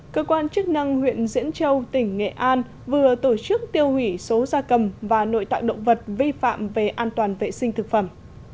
cơ quan chức năng huyện diễn châu tỉnh nghệ an vừa tổ chức tiêu hủy số gia cầm và nội tạng động vật vi phạm về an toàn vệ sinh thực phẩm